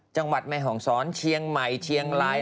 จังหวัดแม่ห่องศรเชียงใหม่เชียงราย